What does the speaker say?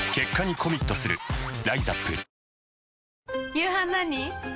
夕飯何？